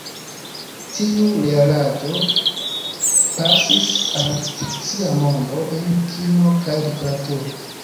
Tiu realaĵo pasis al fikcia mondo en kino kaj literaturo.